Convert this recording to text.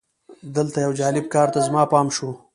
دلته یو جالب کار ته زما پام شو.